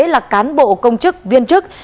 là cán bộ công chức viên chức